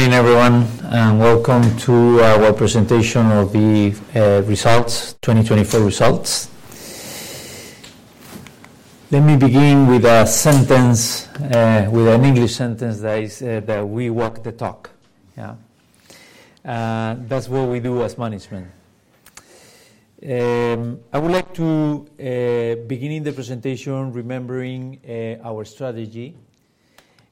Good morning, everyone, and welcome to our presentation of the results, 2024 results. Let me begin with a sentence, with an English sentence that is, that we walk the talk, yeah? That's what we do as management. I would like to begin the presentation remembering our strategy.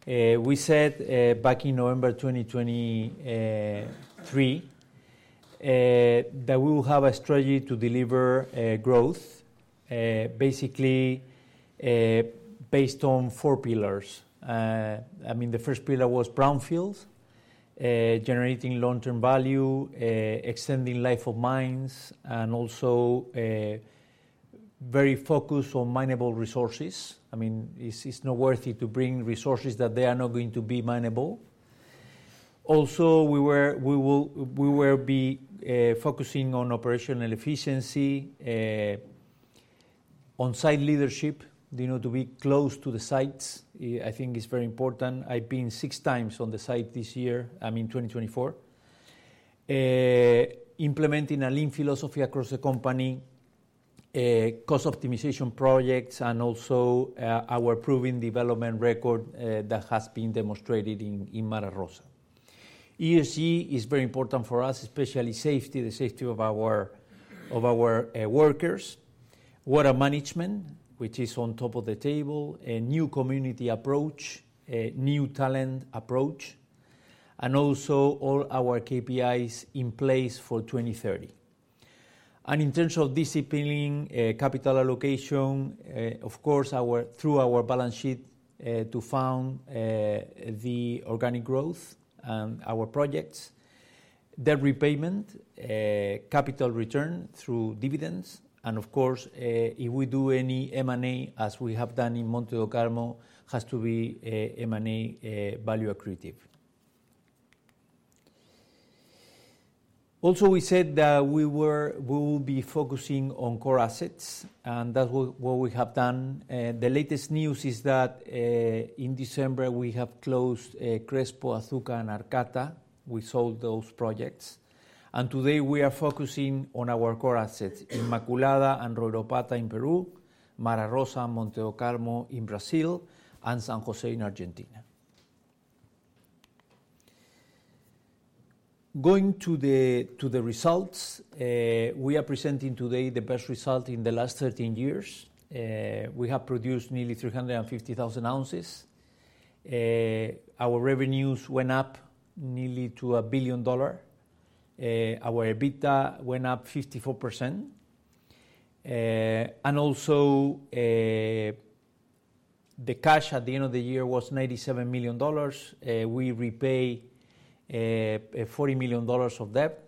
We said, back in November 2023, that we will have a strategy to deliver growth, basically, based on four pillars. I mean, the first pillar was brownfields, generating long-term value, extending life of mines, and also, very focused on minable resources. I mean, it's, it's not worthy to bring resources that they are not going to be minable. Also, we were, we will, we will be focusing on operational efficiency, on site leadership, you know, to be close to the sites. I think it's very important. I've been six times on the site this year, I mean, 2024. Implementing a lean philosophy across the company, cost optimization projects, and also, our proven development record, that has been demonstrated in Mara Rosa. ESG is very important for us, especially safety, the safety of our workers, water management, which is on top of the table, a new community approach, a new talent approach, and also all our KPIs in place for 2030. In terms of disciplining capital allocation, of course, through our balance sheet, to fund the organic growth and our projects, debt repayment, capital return through dividends, and of course, if we do any M&A, as we have done in Monte Do Carmo, it has to be M&A value accretive. Also, we said that we will be focusing on core assets, and that's what we have done. The latest news is that, in December, we have closed Crespo, Azuca, and Arcata. We sold those projects. Today, we are focusing on our core assets in Inmaculada and Royropata in Peru, Mara Rosa, Monte Do Carmo in Brazil, and San Jose in Argentina. Going to the results, we are presenting today the best result in the last 13 years. We have produced nearly 350,000 oz. Our revenues went up nearly to $1 billion. Our EBITDA went up 54%. Also, the cash at the end of the year was $97 million. We repaid $40 million of debt.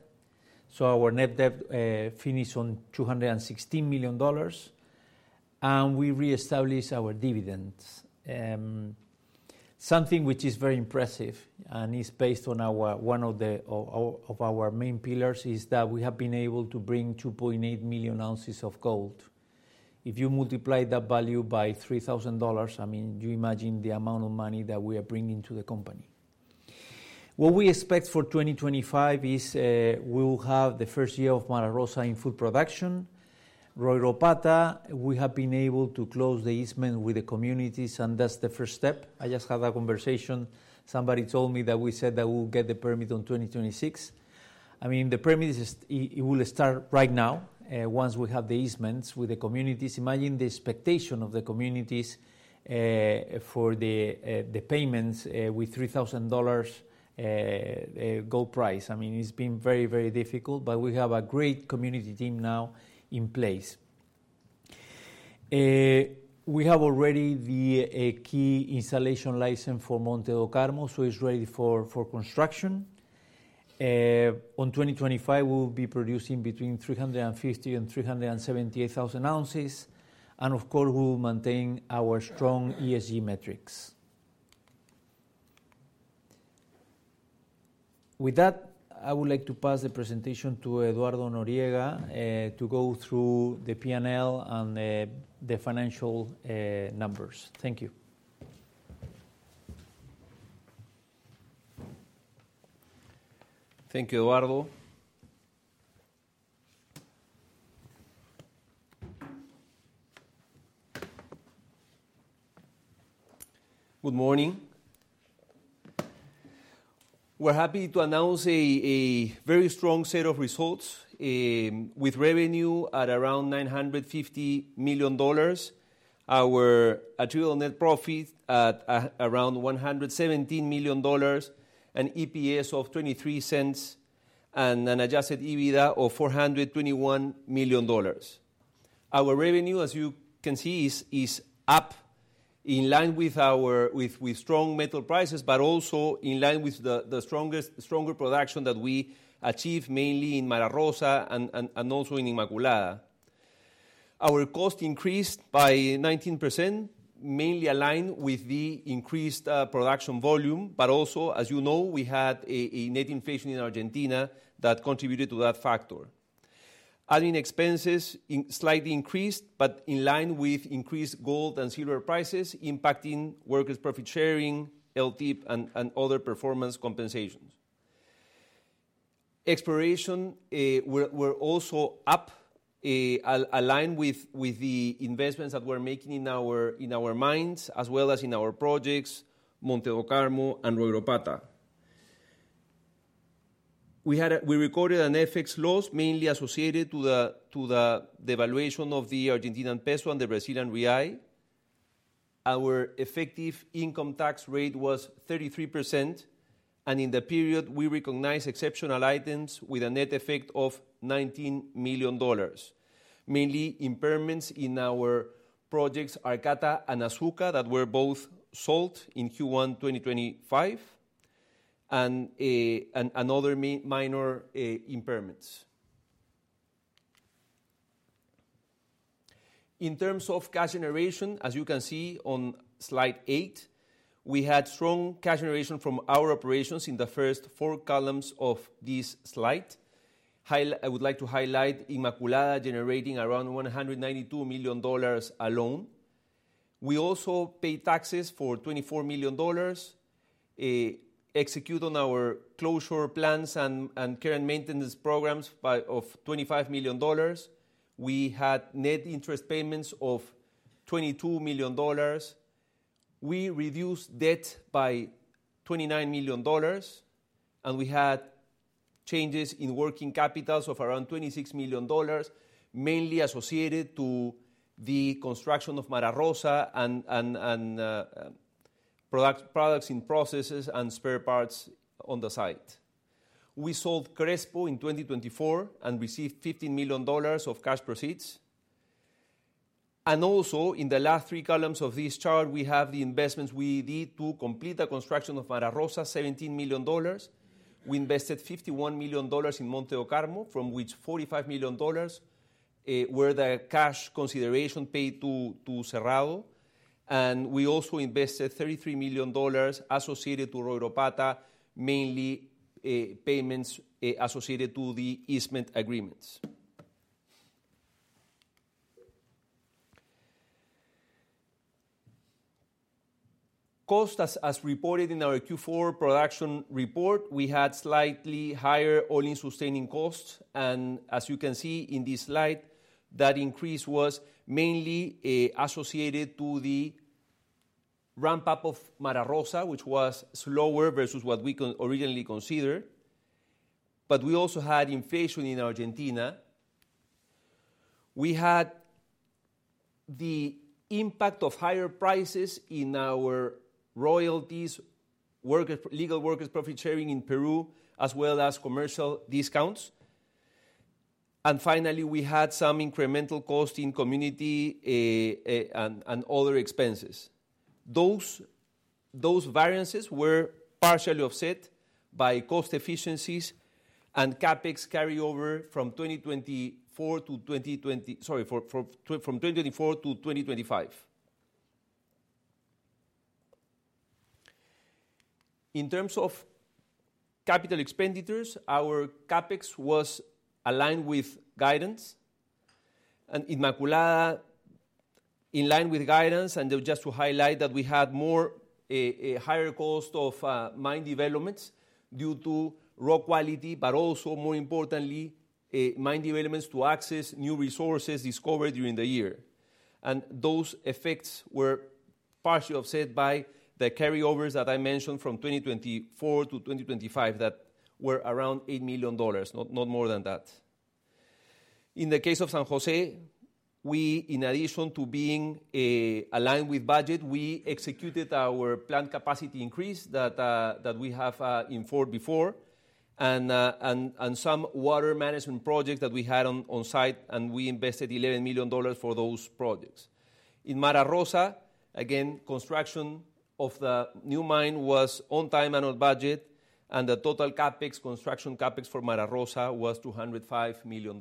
Our net debt finished on $216 million, and we reestablished our dividends. Something which is very impressive and is based on our, one of our main pillars is that we have been able to bring 2.8 million oz of gold. If you multiply that value by $3,000, I mean, you imagine the amount of money that we are bringing to the company. What we expect for 2025 is, we will have the first year of Mara Rosa in full production. Royropata, we have been able to close the easement with the communities, and that's the first step. I just had a conversation. Somebody told me that we said that we'll get the permit on 2026. I mean, the permit is, it will start right now, once we have the easements with the communities. Imagine the expectation of the communities, for the, the payments, with $3,000, gold price. I mean, it's been very, very difficult, but we have a great community team now in place. We have already the key installation license for Monte Do Carmo, so it's ready for construction. On 2025, we'll be producing between 350,000 oz-378,000 oz. Of course, we'll maintain our strong ESG metrics. With that, I would like to pass the presentation to Eduardo Noriega to go through the P&L and the financial numbers. Thank you. Thank you, Eduardo. Good morning. We're happy to announce a very strong set of results, with revenue at around $950 million, our achievable net profit at around $117 million, an EPS of $0.23, and an adjusted EBITDA of $421 million. Our revenue, as you can see, is up in line with our strong metal prices, but also in line with the stronger production that we achieved mainly in Mara Rosa and also in Inmaculada. Our cost increased by 19%, mainly aligned with the increased production volume, but also, as you know, we had a net inflation in Argentina that contributed to that factor. Adding expenses slightly increased, but in line with increased gold and silver prices, impacting workers' profit sharing, LTIP, and other performance compensations. Exploration was also up, aligned with the investments that we're making in our mines, as well as in our projects, Monte Do Carmo and Royropata. We recorded an FX loss mainly associated to the devaluation of the Argentine peso and the Brazilian real. Our effective income tax rate was 33%, and in the period, we recognized exceptional items with a net effect of $19 million, mainly impairments in our projects Arcata and Azuca, that were both sold in Q1 2025, and other minor impairments. In terms of cash generation, as you can see on slide eight, we had strong cash generation from our operations in the first four columns of this slide. I would like to highlight Inmaculada generating around $192 million alone. We also paid taxes for $24 million, executed on our closure plans and current maintenance programs of $25 million. We had net interest payments of $22 million. We reduced debt by $29 million, and we had changes in working capitals of around $26 million, mainly associated to the construction of Mara Rosa and products in processes and spare parts on the site. We sold Crespo in 2024 and received $15 million of cash proceeds. In the last three columns of this chart, we have the investments we did to complete the construction of Mara Rosa: $17 million. We invested $51 million in Monte Do Carmo, from which $45 million were the cash consideration paid to Cerrado. We also invested $33 million associated to Royropata, mainly payments associated to the easement agreements. Cost, as reported in our Q4 production report, we had slightly higher all-in sustaining costs. As you can see in this slide, that increase was mainly associated to the ramp-up of Mara Rosa, which was slower versus what we originally considered. We also had inflation in Argentina. We had the impact of higher prices in our royalties, workers, legal workers' profit sharing in Peru, as well as commercial discounts. Finally, we had some incremental cost in community and other expenses. Those variances were partially offset by cost efficiencies and CapEx carryover from 2024 to 2025. In terms of capital expenditures, our CapEx was aligned with guidance, and Inmaculada, in line with guidance, and just to highlight that we had more, higher cost of mine developments due to raw quality, but also, more importantly, mine developments to access new resources discovered during the year. Those effects were partially offset by the carryovers that I mentioned from 2024 to 2025 that were around $8 million, not, not more than that. In the case of San Jose, we, in addition to being aligned with budget, executed our plant capacity increase that we have informed before, and some water management projects that we had on site, and we invested $11 million for those projects. In Mara Rosa, again, construction of the new mine was on time and on budget, and the total CapEx, construction CapEx for Mara Rosa was $205 million.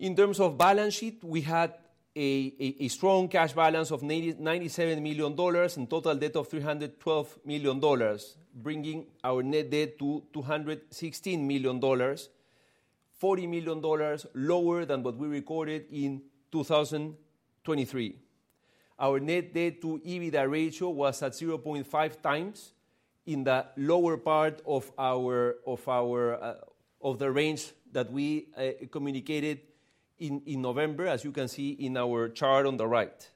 In terms of balance sheet, we had a strong cash balance of $97 million and total debt of $312 million, bringing our net debt to $216 million, $40 million lower than what we recorded in 2023. Our net debt to EBITDA ratio was at 0.5x in the lower part of our range that we communicated in November, as you can see in our chart on the right.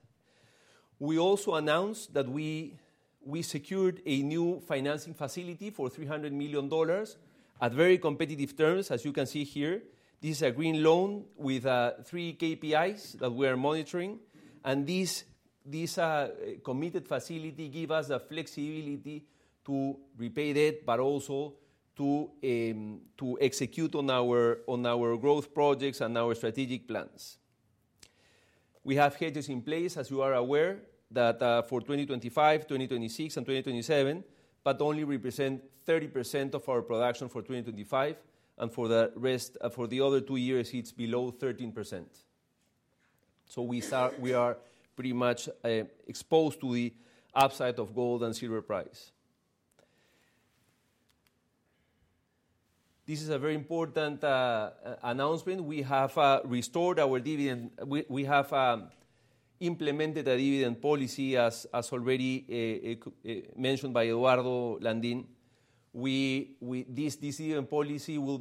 We also announced that we secured a new financing facility for $300 million at very competitive terms, as you can see here. This is a green loan with three KPIs that we are monitoring. This committed facility gives us the flexibility to repay debt, but also to execute on our growth projects and our strategic plans. We have hedges in place, as you are aware, for 2025, 2026, and 2027, but only represent 30% of our production for 2025. For the rest, for the other two years, it's below 13%. We are pretty much exposed to the upside of gold and silver price. This is a very important announcement. We have restored our dividend. We have implemented a dividend policy, as already mentioned by Eduardo Landin. This dividend policy will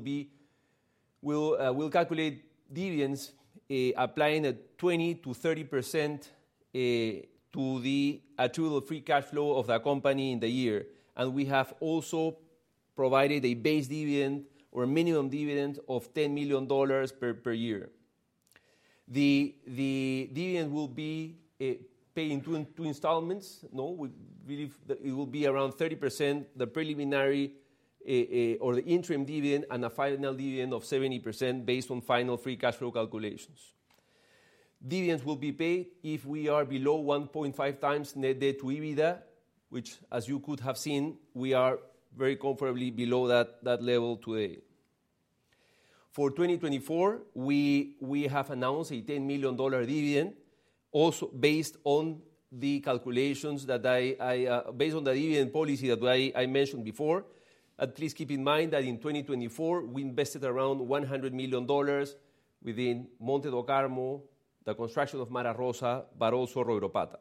calculate dividends, applying at 20%-30% to the accrual of free cash flow of the company in the year. We have also provided a base dividend or minimum dividend of $10 million per year. The dividend will be paid in two installments. No, we believe that it will be around 30%, the preliminary, or the interim dividend, and a final dividend of 70% based on final free cash flow calculations. Dividends will be paid if we are below 1.5x net debt to EBITDA, which, as you could have seen, we are very comfortably below that level today. For 2024, we have announced a $10 million dividend, also based on the calculations that I mentioned before. Please keep in mind that in 2024, we invested around $100 million within Monte Do Carmo, the construction of Mara Rosa, but also Royropata.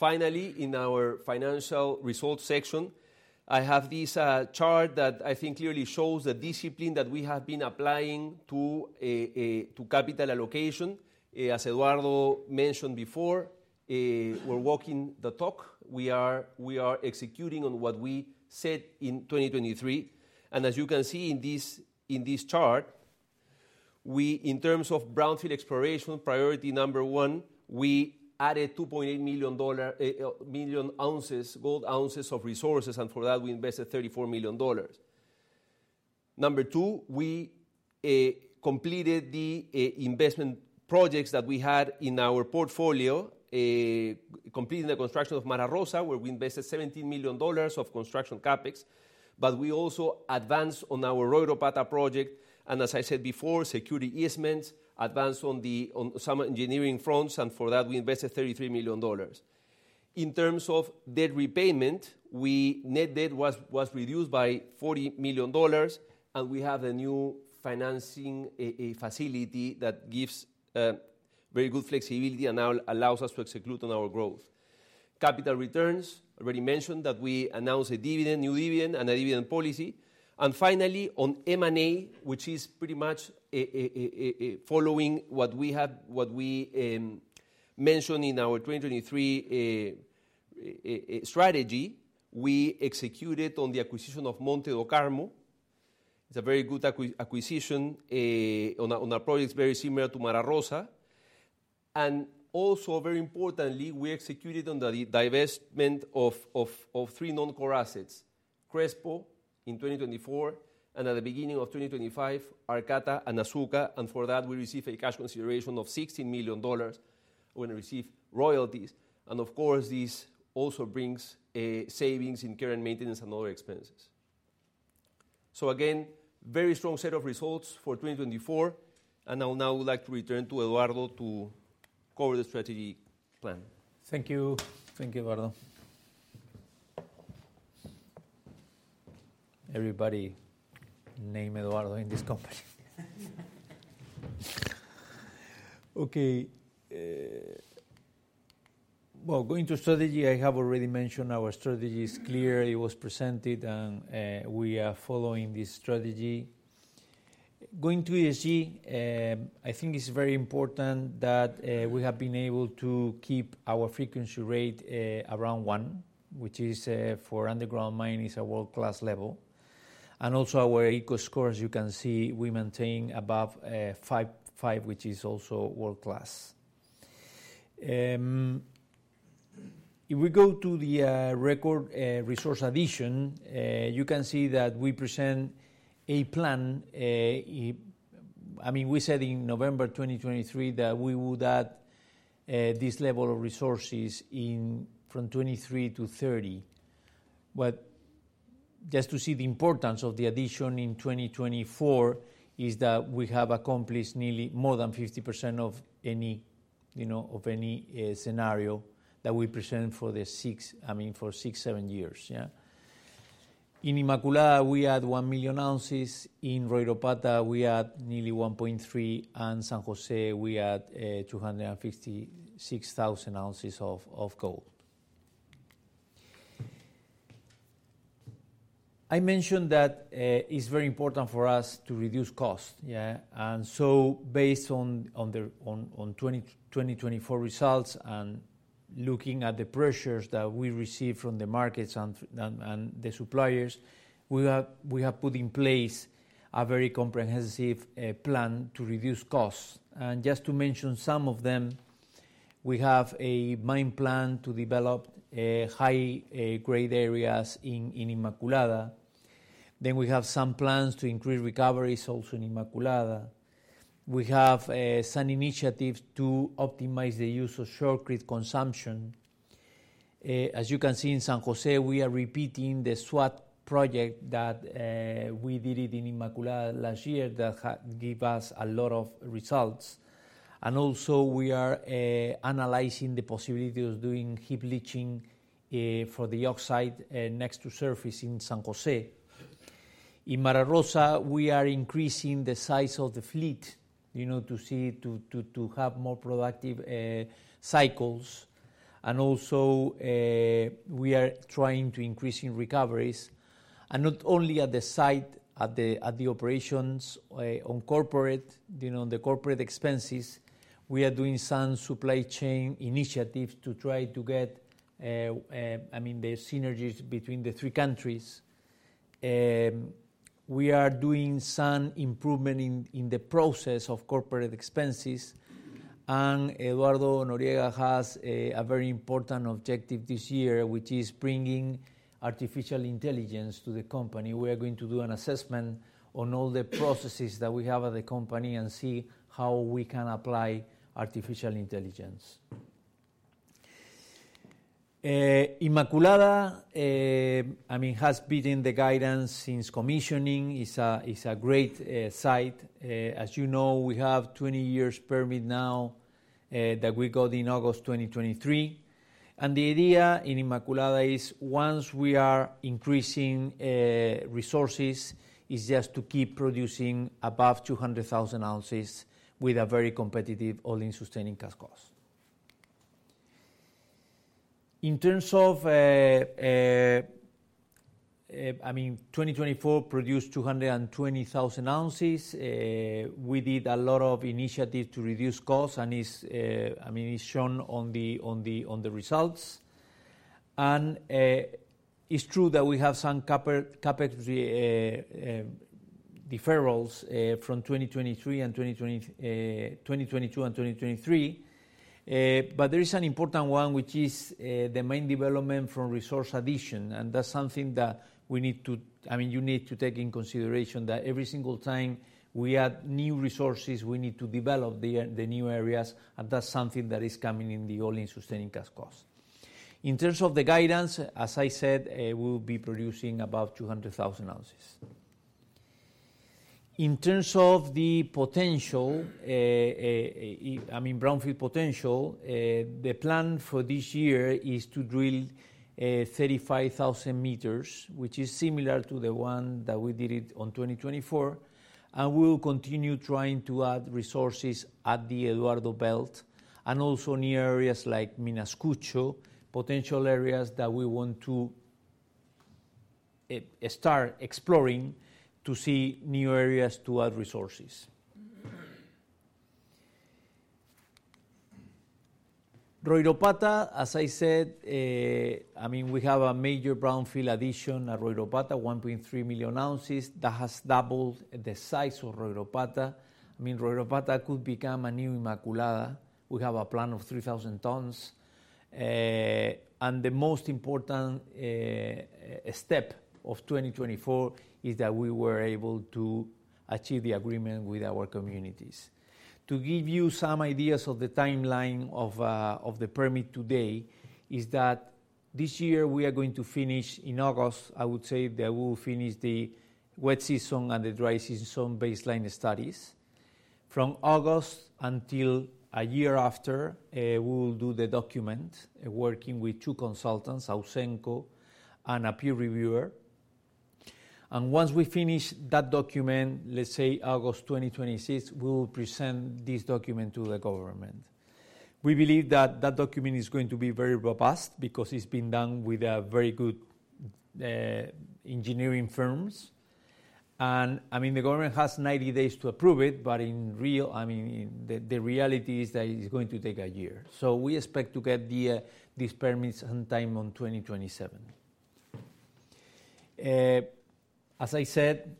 Finally, in our financial results section, I have this chart that I think clearly shows the discipline that we have been applying to capital allocation. As Eduardo mentioned before, we're walking the talk. We are executing on what we said in 2023. As you can see in this chart, in terms of brownfield exploration, priority number one, we added 2.8 million gold oz of resources, and for that, we invested $34 million. Number two, we completed the investment projects that we had in our portfolio, completing the construction of Mara Rosa, where we invested $17 million of construction CapEx. We also advanced on our Royropata project, and as I said before, security easements, advanced on some engineering fronts, and for that, we invested $33 million. In terms of debt repayment, net debt was reduced by $40 million, and we have a new financing facility that gives very good flexibility and allows us to execute on our growth. Capital returns, already mentioned that we announced a dividend, new dividend, and a dividend policy. Finally, on M&A, which is pretty much following what we have, what we mentioned in our 2023 strategy, we executed on the acquisition of Monte Do Carmo. It's a very good acquisition on our projects, very similar to Mara Rosa. Also, very importantly, we executed on the divestment of three non-core assets: Crespo in 2024, and at the beginning of 2025, Arcata and Azuca. For that, we received a cash consideration of $16 million. We're going to receive royalties. Of course, this also brings savings in care and maintenance and other expenses. Again, very strong set of results for 2024. I'll now like to return to Eduardo to cover the strategy plan. Thank you. Thank you, Eduardo. Everybody name Eduardo in this company. Okay. Going to strategy, I have already mentioned our strategy is clear. It was presented, and we are following this strategy. Going to ESG, I think it's very important that we have been able to keep our frequency rate around one, which is, for underground mine, is a world-class level. Also our ECO Score, as you can see, we maintain above five, five, which is also world-class. If we go to the record resource addition, you can see that we present a plan, I mean, we said in November 2023 that we would add this level of resources in from 2023-2030. Just to see the importance of the addition in 2024 is that we have accomplished nearly more than 50% of any, you know, of any scenario that we present for the six, I mean, for six, seven years, yeah? In Inmaculada, we had 1 million oz. In Royropata, we had nearly 1.3 million oz, and San Jose, we had 256,000 oz of gold. I mentioned that it's very important for us to reduce cost, yeah? Based on 2024 results and looking at the pressures that we receive from the markets and the suppliers, we have put in place a very comprehensive plan to reduce costs. Just to mention some of them, we have a mine plan to develop high grade areas in Inmaculada. We have some plans to increase recoveries also in Inmaculada. We have some initiatives to optimize the use of shotcrete consumption. As you can see in San Jose, we are repeating the SWAT project that we did in Inmaculada last year that had given us a lot of results. We are also analyzing the possibility of doing heap leaching for the oxide next to surface in San Jose. In Mara Rosa, we are increasing the size of the fleet, you know, to see, to have more productive cycles. We are also trying to increase recoveries. Not only at the site, at the operations, on corporate, you know, on the corporate expenses, we are doing some supply chain initiatives to try to get, I mean, the synergies between the three countries. We are doing some improvement in the process of corporate expenses. Eduardo Noriega has a very important objective this year, which is bringing artificial intelligence to the company. We are going to do an assessment on all the processes that we have at the company and see how we can apply artificial intelligence. Inmaculada, I mean, has been in the guidance since commissioning. It's a, it's a great site. As you know, we have a 20 years permit now, that we got in August 2023. And the idea in Inmaculada is once we are increasing resources, it's just to keep producing above 200,000 oz with a very competitive all-in sustaining cash cost. In terms of, I mean, 2024 produced 220,000 oz. We did a lot of initiatives to reduce costs, and it's, I mean, it's shown on the results. It's true that we have some CapEx deferrals from 2022 and 2023. There is an important one, which is the main development from resource addition. That's something that we need to, I mean, you need to take into consideration that every single time we add new resources, we need to develop the new areas. That's something that is coming in the all-in sustaining cash cost. In terms of the guidance, as I said, we'll be producing about 200,000 oz. In terms of the potential, I mean, brownfield potential, the plan for this year is to drill 35,000 meters, which is similar to the one that we did in 2024. We'll continue trying to add resources at the Eduardo Belt and also near areas like Minascucho, potential areas that we want to start exploring to see new areas to add resources. Royropata, as I said, I mean, we have a major brownfield addition at Royropata, 1.3 million oz. That has doubled the size of Royropata. I mean, Royropata could become a new Inmaculada. We have a plan of 3,000 tons. The most important step of 2024 is that we were able to achieve the agreement with our communities. To give you some ideas of the timeline of the permit today is that this year we are going to finish in August. I would say that we'll finish the wet season and the dry season baseline studies. From August until a year after, we'll do the document, working with two consultants, Ausenco and a peer reviewer. Once we finish that document, let's say August 2026, we'll present this document to the government. We believe that that document is going to be very robust because it's been done with very good engineering firms. The government has 90 days to approve it, but in real, I mean, the reality is that it's going to take a year. We expect to get these permits sometime in 2027. As I said,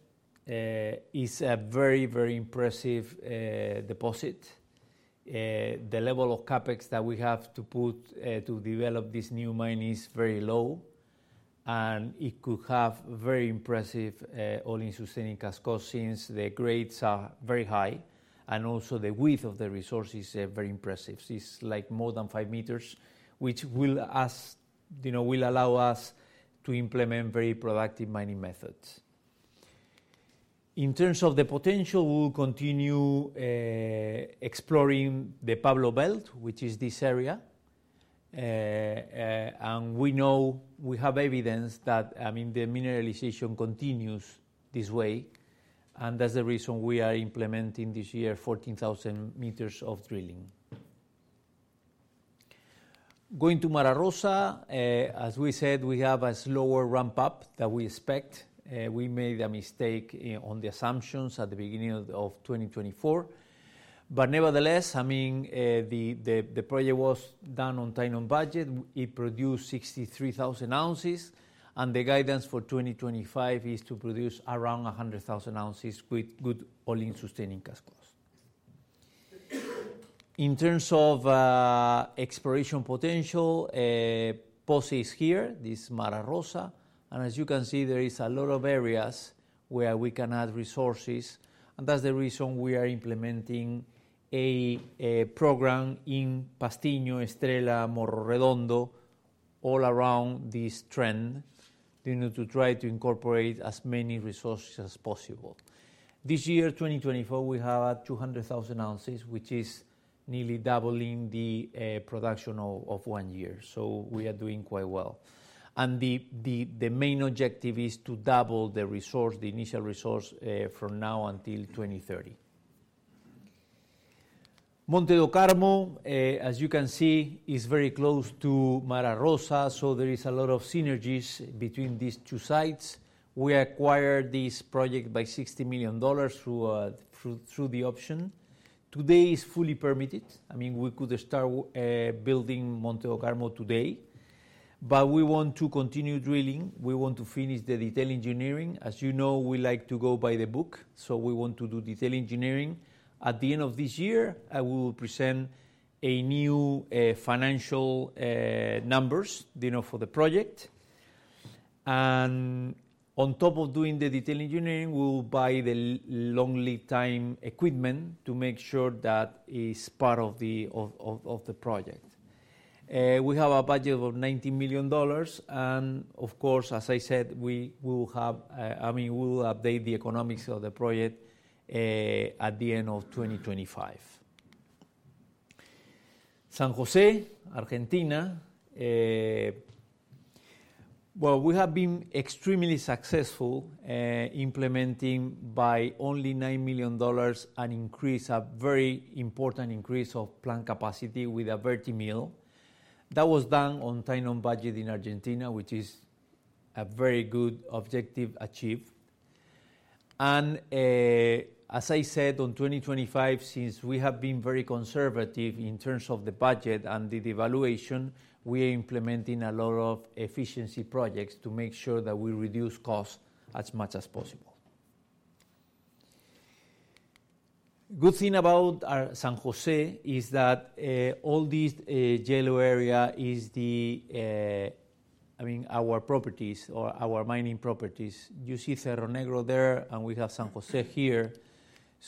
it's a very, very impressive deposit. The level of CapEx that we have to put to develop this new mine is very low. It could have very impressive all-in sustaining cash costs since the grades are very high. Also, the width of the resource is very impressive. It's like more than 5 meters, which will, as you know, allow us to implement very productive mining methods. In terms of the potential, we'll continue exploring the Pablo Belt, which is this area, and we know we have evidence that, I mean, the mineralization continues this way. That's the reason we are implementing this year 14,000 meters of drilling. Going to Mara Rosa, as we said, we have a slower ramp-up that we expect. We made a mistake on the assumptions at the beginning of 2024. Nevertheless, I mean, the project was done on time on budget. It produced 63,000 oz. The guidance for 2025 is to produce around 100,000 oz with good all-in sustaining cash costs. In terms of exploration potential, Posse is here, this Mara Rosa. As you can see, there is a lot of areas where we can add resources. That's the reason we are implementing a program in Pastinho, Estrella, Morro Redondo, all around this trend, you know, to try to incorporate as many resources as possible. This year, 2024, we have 200,000 oz, which is nearly doubling the production of one year. We are doing quite well. The main objective is to double the resource, the initial resource, from now until 2030. Monte Do Carmo, as you can see, is very close to Mara Rosa. There is a lot of synergies between these two sites. We acquired this project by $60 million through the option. Today it is fully permitted. I mean, we could start building Monte Do Carmo today. We want to continue drilling. We want to finish the detail engineering. As you know, we like to go by the book. We want to do detail engineering. At the end of this year, I will present new financial numbers, you know, for the project. On top of doing the detail engineering, we will buy the long lead time equipment to make sure that it is part of the project. We have a budget of $19 million. As I said, we will update the economics of the project at the end of 2025. San Jose, Argentina. We have been extremely successful implementing, by only $9 million, a very important increase of plant capacity with a Vertimill. That was done on time, on budget in Argentina, which is a very good objective achieved. As I said, on 2025, since we have been very conservative in terms of the budget and the devaluation, we are implementing a lot of efficiency projects to make sure that we reduce costs as much as possible. The good thing about San Jose is that all this yellow area is, I mean, our properties or our mining properties. You see Cerro Negro there, and we have San Jose here.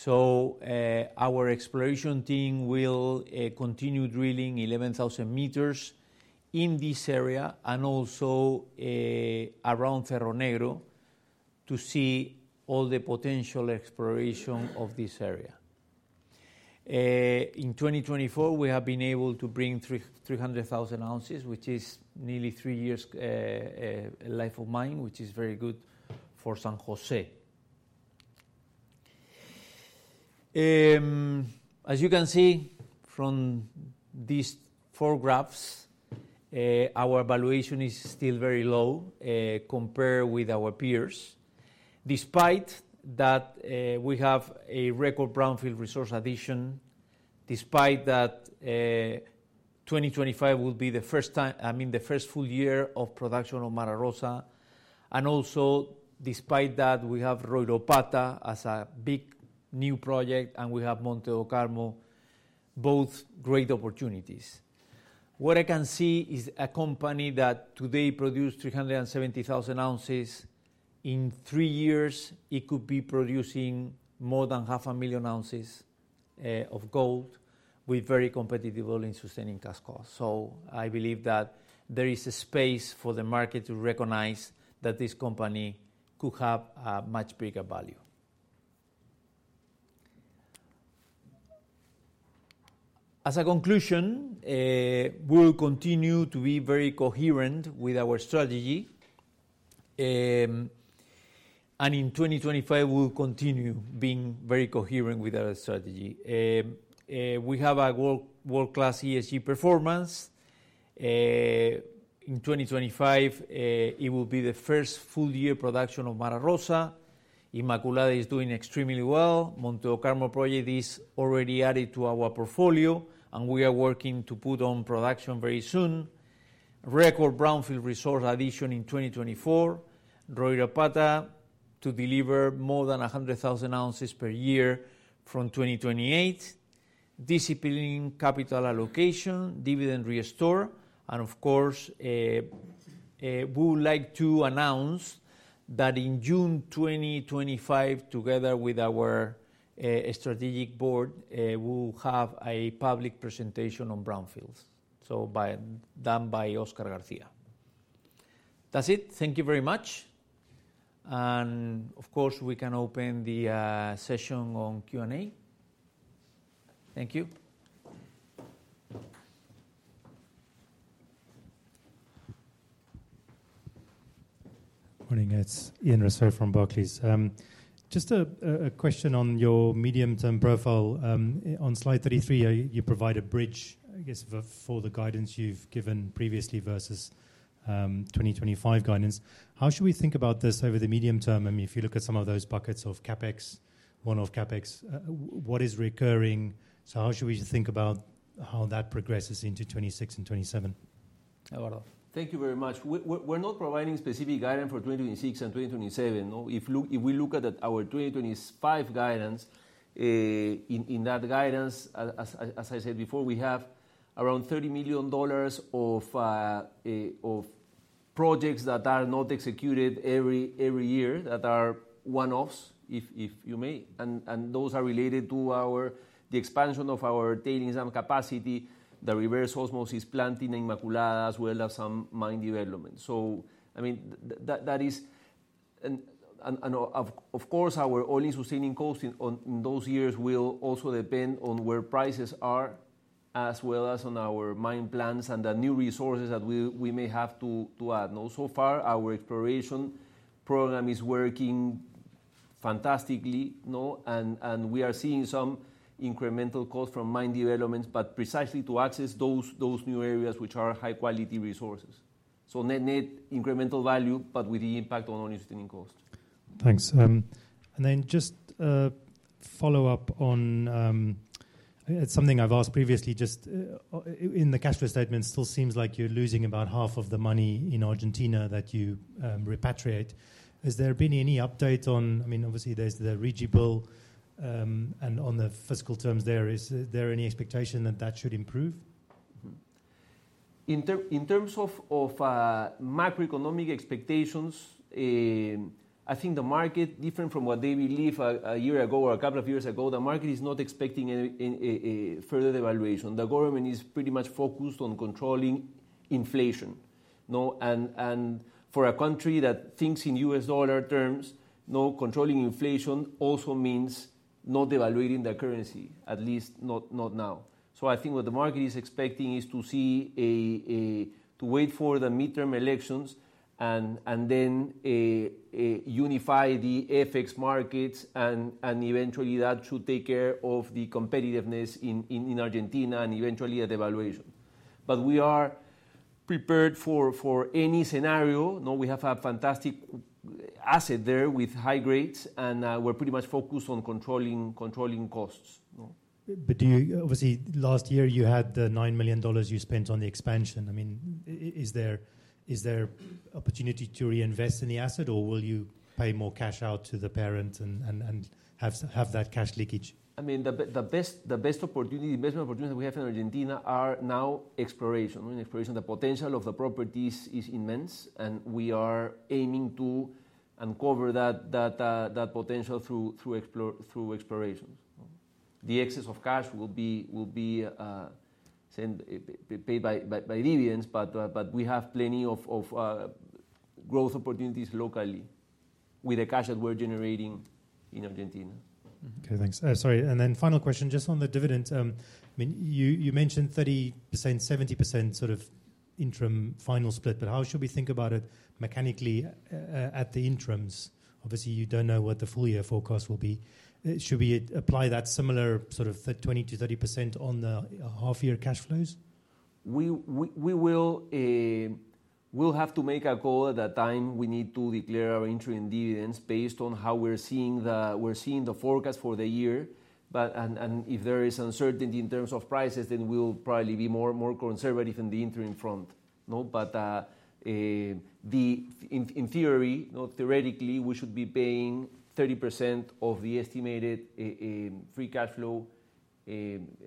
Our exploration team will continue drilling 11,000 meters in this area and also around Cerro Negro to see all the potential exploration of this area. In 2024, we have been able to bring 300,000 oz, which is nearly three years life of mine, which is very good for San Jose. As you can see from these four graphs, our valuation is still very low, compared with our peers. Despite that, we have a record brownfield resource addition. Despite that, 2025 will be the first time, I mean, the first full year of production on Mara Rosa. Also despite that, we have Royropata as a big new project, and we have Monte Do Carmo, both great opportunities. What I can see is a company that today produced 370,000 oz. In three years, it could be producing more than 500,000 oz of gold with very competitive all-in sustaining cash costs. I believe that there is a space for the market to recognize that this company could have a much bigger value. As a conclusion, we'll continue to be very coherent with our strategy, and in 2025, we'll continue being very coherent with our strategy. We have a world-class ESG performance. In 2025, it will be the first full year production of Mara Rosa. Inmaculada is doing extremely well. Monte Do Carmo project is already added to our portfolio, and we are working to put on production very soon. Record brownfield resource addition in 2024. Royropata to deliver more than 100,000 oz per year from 2028. Disciplining capital allocation, dividend restore. Of course, we would like to announce that in June 2025, together with our strategic board, we will have a public presentation on brownfields, done by Oscar Garcia. That is it. Thank you very much. Of course, we can open the session on Q&A. Thank you. Morning, it is Ian Rossouw from Barclays. Just a question on your medium-term profile. On slide 33, you provide a bridge, I guess, for the guidance you have given previously versus 2025 guidance. How should we think about this over the medium term? I mean, if you look at some of those buckets of CapEx, one-off CapEx, what is recurring? How should we think about how that progresses into 2026 and 2027? Eduardo. Thank you very much. We are not providing specific guidance for 2026 and 2027. If we look at our 2025 guidance, in that guidance, as I said before, we have around $30 million of projects that are not executed every year that are one-offs, if you may. Those are related to the expansion of our tailings and capacity, the reverse osmosis planting in Inmaculada, as well as some mine development. I mean, that is, and of course, our all-in sustaining costs in those years will also depend on where prices are, as well as on our mine plans and the new resources that we may have to add. No, so far, our exploration program is working fantastically. No, and we are seeing some incremental costs from mine developments, but precisely to access those new areas, which are high-quality resources. Net, net incremental value, but with the impact on all-in sustaining costs. Thanks. Just, follow up on, it's something I've asked previously, just, in the cash flow statement, still seems like you're losing about half of the money in Argentina that you repatriate. Has there been any update on, I mean, obviously there's the RIGI Bill, and on the fiscal terms there, is there any expectation that that should improve? In terms of macroeconomic expectations, I think the market, different from what they believe a year ago or a couple of years ago, the market is not expecting any further devaluation. The government is pretty much focused on controlling inflation. No, and for a country that thinks in U.S. dollar terms, no, controlling inflation also means not devaluating the currency, at least not, not now. I think what the market is expecting is to see a, to wait for the midterm elections and then unify the FX markets and eventually that should take care of the competitiveness in Argentina and eventually a devaluation. We are prepared for any scenario. No, we have a fantastic asset there with high rates and we're pretty much focused on controlling costs. No, but do you, obviously last year you had the $9 million you spent on the expansion. I mean, is there opportunity to reinvest in the asset or will you pay more cash out to the parent and have that cash leakage? I mean, the best opportunity, the best opportunity that we have in Argentina are now exploration. In exploration, the potential of the properties is immense and we are aiming to uncover that potential through exploration. The excess of cash will be sent, paid by dividends, but we have plenty of growth opportunities locally with the cash that we're generating in Argentina. Okay, thanks. Sorry. Final question, just on the dividends. I mean, you mentioned 30%-70% sort of interim final split, but how should we think about it mechanically, at the interims? Obviously, you don't know what the full year forecast will be. Should we apply that similar sort of 20%-30% on the half year cash flows? We will have to make a call at that time. We need to declare our interim dividends based on how we're seeing the forecast for the year. And if there is uncertainty in terms of prices, then we'll probably be more conservative in the interim front. No, but in theory, no, theoretically, we should be paying 30% of the estimated free cash flow,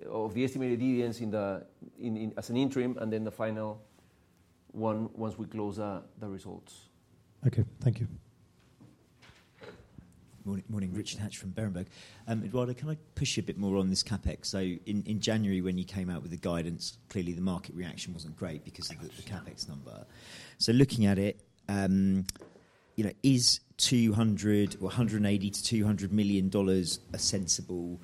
of the estimated dividends in the, in, in as an interim and then the final one, once we close the results. Okay, thank you. Morning, morning, Rich Hatch from Berenberg. Eduardo, can I push you a bit more on this CapEx? In January, when you came out with the guidance, clearly the market reaction wasn't great because of the CapEx number. Looking at it, you know, is $180 million-$200 million a sensible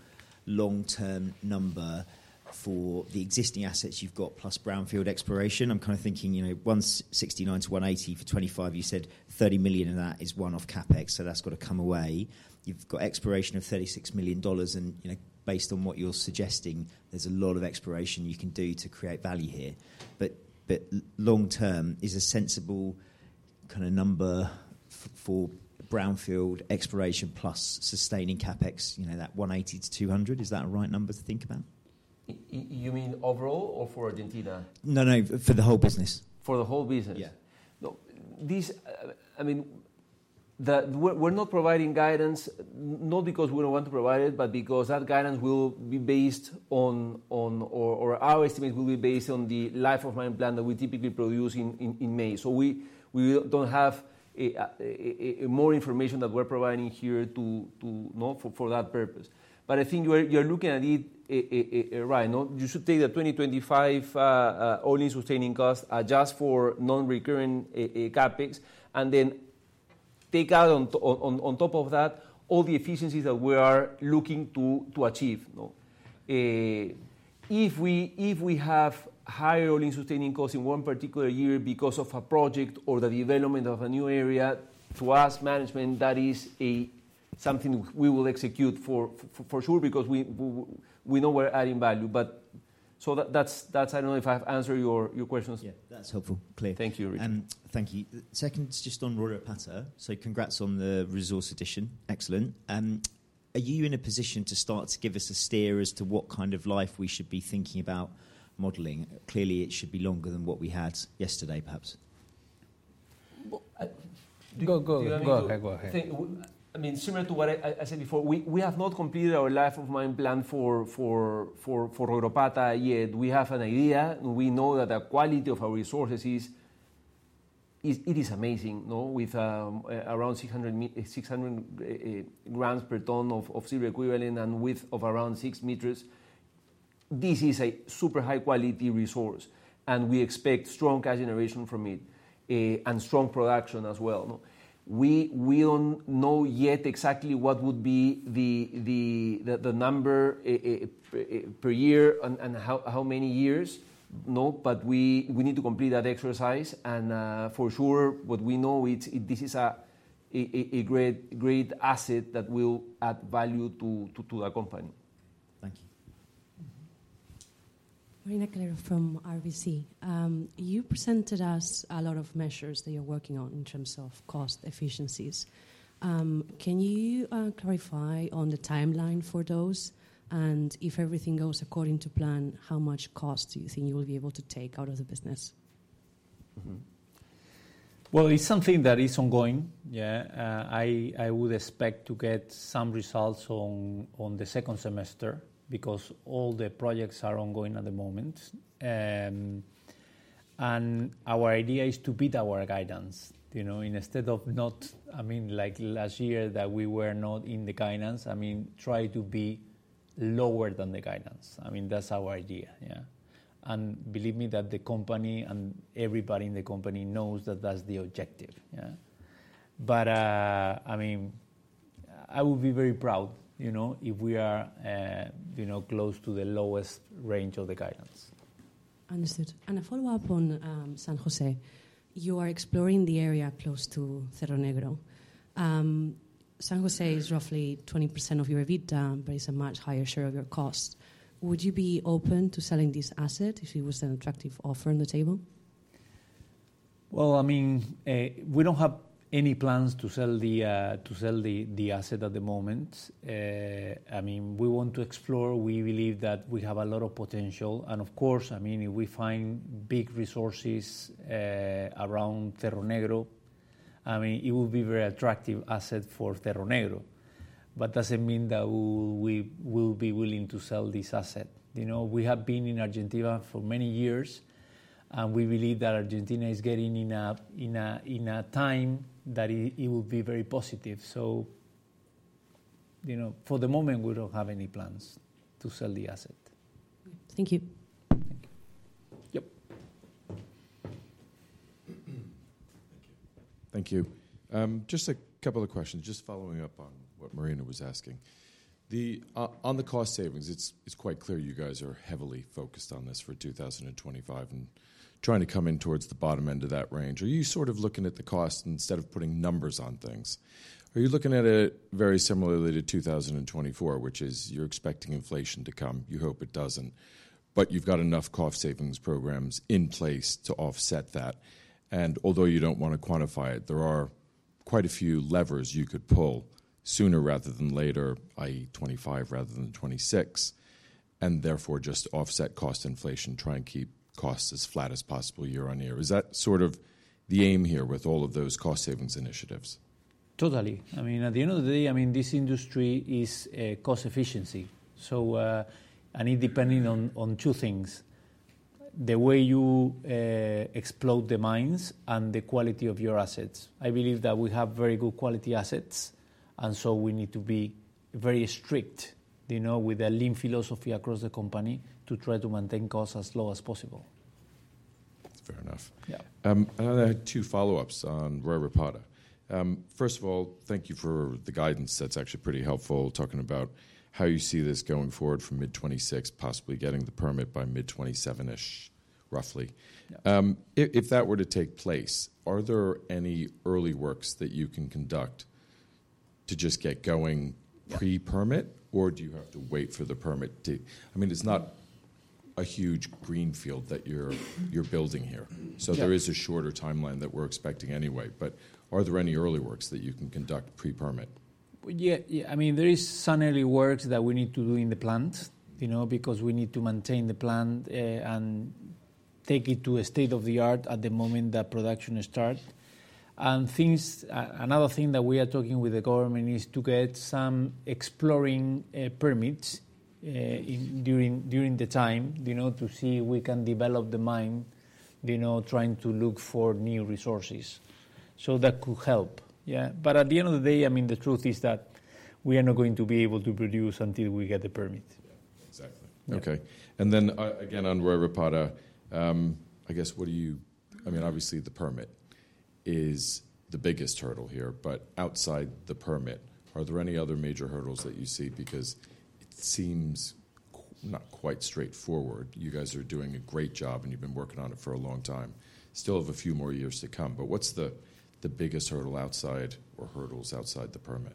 long-term number for the existing assets you've got plus brownfield exploration? I'm kind of thinking, you know, once $69 million to $180 million for 2025, you said $30 million of that is one-off CapEx. So that's got to come away. You've got exploration of $36 million and, you know, based on what you're suggesting, there's a lot of exploration you can do to create value here. But, but long-term, is a sensible kind of number for brownfield exploration plus sustaining CapEx, you know, that $180 million-$200 million, is that a right number to think about? You mean overall or for Argentina? No, no, for the whole business. For the whole business? Yeah. No, this, I mean, we're not providing guidance, not because we don't want to provide it, but because that guidance will be based on, or our estimates will be based on the life of mine plan that we typically produce in May. We do not have more information that we are providing here for that purpose. I think you are looking at it, right. You should take the 2025 all-in sustaining costs, adjust for non-recurring CapEx, and then take out, on top of that, all the efficiencies that we are looking to achieve. If we have higher all-in sustaining costs in one particular year because of a project or the development of a new area, to us management, that is something we will execute for sure because we know we are adding value. That is, I do not know if I have answered your questions. Yeah, that is helpful. Clear. Thank you, Richard. Thank you. Seconds, just on Royropata. Congrats on the resource addition. Excellent. Are you in a position to start to give us a steer as to what kind of life we should be thinking about modeling? Clearly, it should be longer than what we had yesterday, perhaps. Go, go, go. I think, I mean, similar to what I said before, we have not completed our life of mine plan for Royropata yet. We have an idea. We know that the quality of our resources is amazing, with around 600 grams per ton of gold equivalent and width of around six meters. This is a super high quality resource and we expect strong cash generation from it, and strong production as well. We do not know yet exactly what would be the number per year and how many years. No, but we need to complete that exercise and, for sure, what we know is this is a great, great asset that will add value to the company. Thank you. Marina Calero from RBC. You presented us a lot of measures that you're working on in terms of cost efficiencies. Can you clarify on the timeline for those and if everything goes according to plan, how much cost do you think you'll be able to take out of the business? It's something that is ongoing. I would expect to get some results in the second semester because all the projects are ongoing at the moment. Our idea is to beat our guidance, you know, instead of not, I mean, like last year that we were not in the guidance, I mean, try to be lower than the guidance. I mean, that's our idea. Yeah. And believe me that the company and everybody in the company knows that that's the objective. Yeah. I would be very proud, you know, if we are, you know, close to the lowest range of the guidance. Understood. A follow-up on San Jose, you are exploring the area close to Cerro Negro. San Jose is roughly 20% of your EBITDA, but it's a much higher share of your cost. Would you be open to selling this asset if it was an attractive offer on the table? I mean, we don't have any plans to sell the asset at the moment. I mean, we want to explore. We believe that we have a lot of potential. Of course, I mean, if we find big resources around Cerro Negro, I mean, it would be a very attractive asset for Cerro Negro. That does not mean that we will be willing to sell this asset. You know, we have been in Argentina for many years and we believe that Argentina is getting in a time that it will be very positive. You know, for the moment, we do not have any plans to sell the asset. Thank you. Thank you. Yep. Thank you. Just a couple of questions, just following up on what Marina was asking. On the cost savings, it is quite clear you guys are heavily focused on this for 2025 and trying to come in towards the bottom end of that range. Are you sort of looking at the cost instead of putting numbers on things? Are you looking at it very similarly to 2024, which is you're expecting inflation to come, you hope it doesn't, but you've got enough cost savings programs in place to offset that. Although you don't want to quantify it, there are quite a few levers you could pull sooner rather than later by 2025 rather than 2026, and therefore just offset cost inflation, try and keep costs as flat as possible year-on-year. Is that sort of the aim here with all of those cost savings initiatives? Totally. I mean, at the end of the day, I mean, this industry is cost efficiency. It depends on two things, the way you explode the mines and the quality of your assets. I believe that we have very good quality assets. We need to be very strict, you know, with a lean philosophy across the company to try to maintain costs as low as possible. Fair enough. Yeah. I know there are two follow-ups on Royropata. First of all, thank you for the guidance. That's actually pretty helpful talking about how you see this going forward from mid-2026, possibly getting the permit by mid-2027-ish, roughly. If that were to take place, are there any early works that you can conduct to just get going pre-permit, or do you have to wait for the permit to, I mean, it's not a huge greenfield that you're building here. There is a shorter timeline that we're expecting anyway, but are there any early works that you can conduct pre-permit? Yeah, I mean, there is some early works that we need to do in the plant, you know, because we need to maintain the plant, and take it to a state of the art at the moment that production starts. Another thing that we are talking with the government is to get some exploring permits during the time, you know, to see if we can develop the mine, you know, trying to look for new resources. That could help. Yeah. At the end of the day, I mean, the truth is that we are not going to be able to produce until we get the permit. Yeah, exactly. Okay. On Royropata, I guess what do you, I mean, obviously the permit is the biggest hurdle here, but outside the permit, are there any other major hurdles that you see? Because it seems not quite straightforward. You guys are doing a great job and you've been working on it for a long time. Still have a few more years to come, but what's the, the biggest hurdle outside or hurdles outside the permit?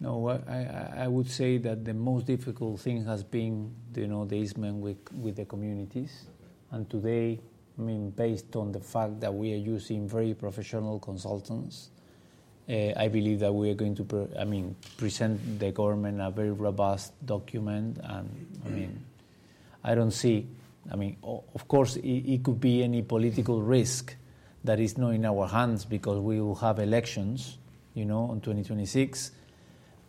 No, I would say that the most difficult thing has been, you know, the easement with, with the communities. And today, I mean, based on the fact that we are using very professional consultants, I believe that we are going to, I mean, present the government a very robust document. I mean, I don't see, I mean, of course, it could be any political risk that is not in our hands because we will have elections, you know, in 2026.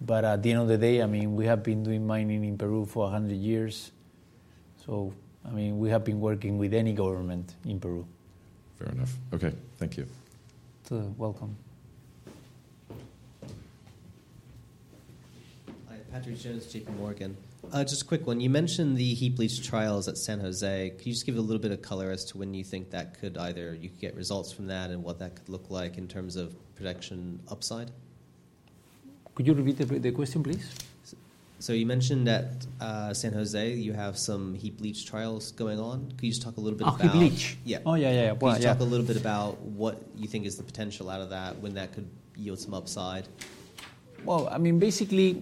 At the end of the day, I mean, we have been doing mining in Peru for a hundred years. I mean, we have been working with any government in Peru. Fair enough. Okay. Thank you. Welcome. Hi, Patrick Jones, JPMorgan. Just a quick one. You mentioned the heap leach trials at San Jose. Could you just give a little bit of color as to when you think that could either you could get results from that and what that could look like in terms of production upside? Could you repeat the question, please? You mentioned that, San Jose, you have some heap leach trials going on. Could you just talk a little bit about Heap leach? Yeah. Oh, yeah, yeah, yeah. Could you talk a little bit about what you think is the potential out of that, when that could yield some upside? I mean, basically,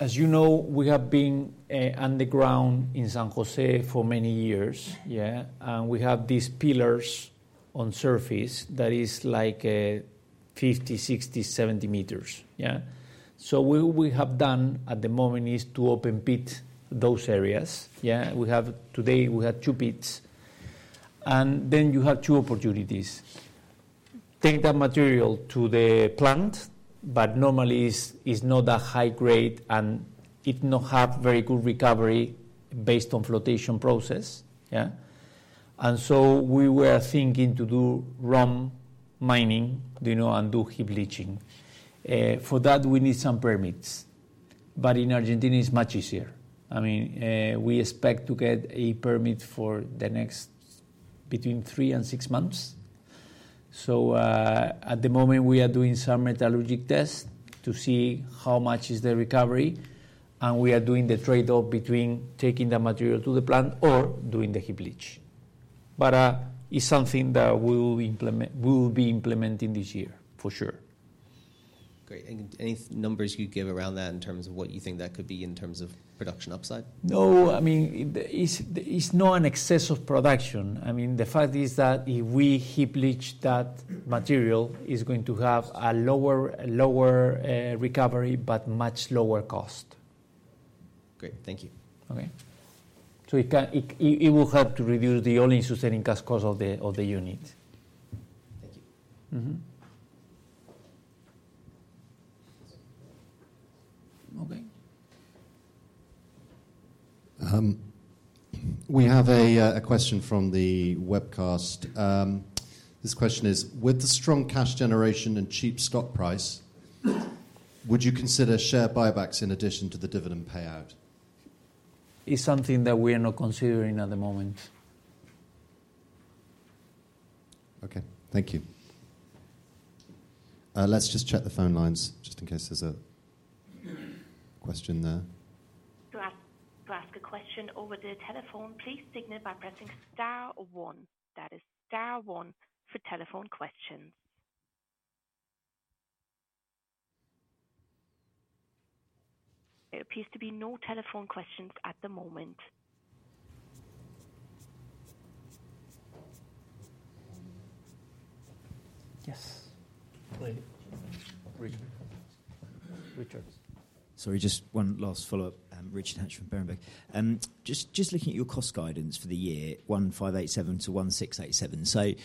as you know, we have been underground in San Jose for many years. Yeah. We have these pillars on surface that is like 50 meters, 60 meters, 70 meters. Yeah. What we have done at the moment is to open pit those areas. Yeah. We have today, we had two pits. Then you have two opportunities. Take that material to the plant, but normally it's not that high grade and it does not have very good recovery based on flotation process. Yeah. We were thinking to do ROM mining, you know, and do heap leaching. For that, we need some permits. In Argentina, it's much easier. I mean, we expect to get a permit for the next between three and six months. At the moment, we are doing some metallurgic tests to see how much is the recovery. We are doing the trade-off between taking the material to the plant or doing the heap leach. It is something that we will implement, we will be implementing this year for sure. Great. Any numbers you could give around that in terms of what you think that could be in terms of production upside? No, I mean, it is not an excess of production. I mean, the fact is that if we heap leach that material, it is going to have a lower, lower recovery, but much lower cost. Great. Thank you. Okay. It can, it will help to reduce the all-in sustaining cost, cost of the unit. Thank you. Mm-hmm. We have a question from the webcast. This question is, with the strong cash generation and cheap stock price, would you consider share buybacks in addition to the dividend payout? It is something that we are not considering at the moment. Okay. Thank you. Let's just check the phone lines just in case there's a question there. To ask a question over the telephone, please signal by pressing star one. That is star one for telephone questions. There appears to be no telephone questions at the moment. Sorry, just one last follow-up. Richard Hatch from Berenberg. Just looking at your cost guidance for the year, $1,587/oz-$1,687/oz.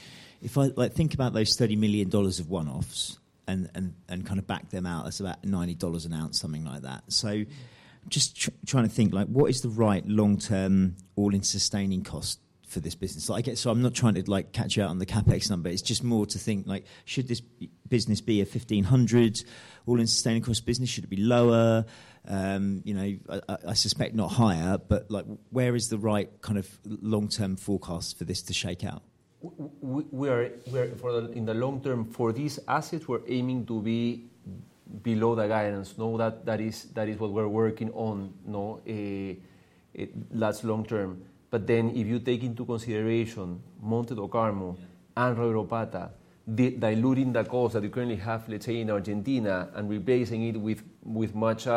If I think about those $30 million of one-offs and kind of back them out, that's about $90/oz, something like that. Just trying to think, what is the right long-term all-in sustaining cost for this business? I'm not trying to catch you out on the CapEx number. It's just more to think, should this business be a $1,500/oz all-in sustaining cost business? Should it be lower? You know, I, I suspect not higher, but like where is the right kind of long-term forecast for this to shake out? We, we are, we are for the, in the long term for these assets, we're aiming to be below the guidance. No, that, that is, that is what we're working on, you know, last long term. But then if you take into consideration Monte Do Carmo and Royropata, diluting the cost that you currently have, let's say in Argentina, and replacing it with, with much,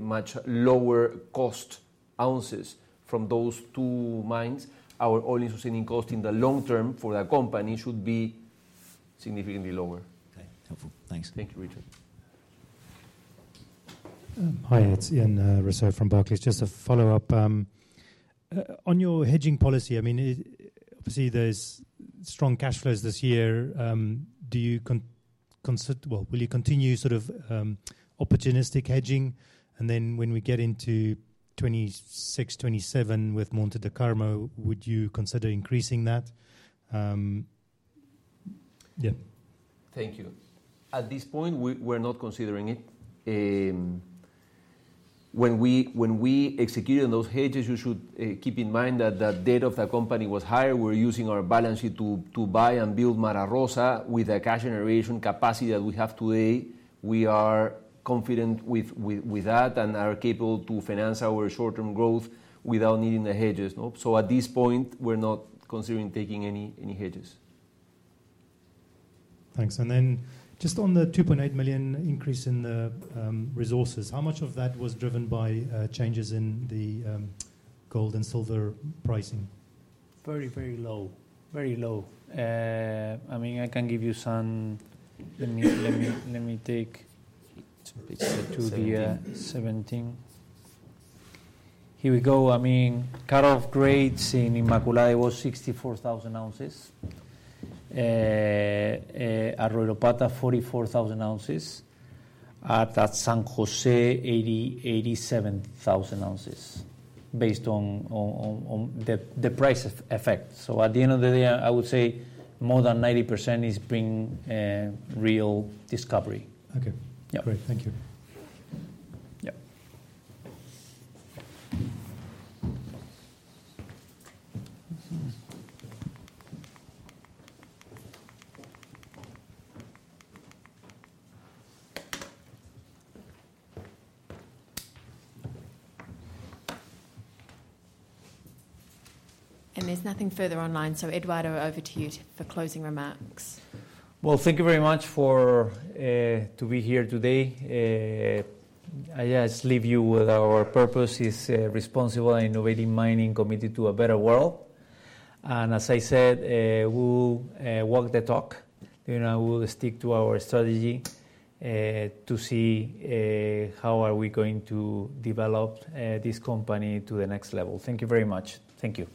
much lower cost ounces from those two mines, our all-in sustaining cost in the long term for the company should be significantly lower. Okay. Helpful. Thanks. Thank you, Richard. Hi, it's Ian Rossouw from Barclays. Just a follow-up, on your hedging policy. I mean, obviously there's strong cash flows this year. Do you consider, well, will you continue sort of, opportunistic hedging? When we get into 2026, 2027 with Monte Do Carmo, would you consider increasing that? Yeah. Thank you. At this point, we're not considering it. When we execute on those hedges, you should keep in mind that the debt of the company was higher. We're using our balance sheet to buy and build Mara Rosa with the cash generation capacity that we have today. We are confident with that and are capable to finance our short-term growth without needing the hedges. Nope. At this point, we're not considering taking any hedges. Thanks. On the $2.8 million increase in the resources, how much of that was driven by changes in the gold and silver pricing? Very, very low. Very low. I mean, I can give you some, let me take some pictures to the, 17. Here we go. I mean, cut-off grades in Inmaculada was 64,000 oz. At Royropata, 44,000 oz. At San Jose, 87,000 oz based on the price effect. At the end of the day, I would say more than 90% is being real discovery. Okay. Yeah. Great. Thank you. Yeah. There is nothing further online. Eduardo, over to you for closing remarks. Thank you very much for being here today. I just leave you with our purposes, responsible and innovative mining committed to a better world." As I said, we will walk the talk, you know, we will stick to our strategy to see how we are going to develop this company to the next level. Thank you very much. Thank you.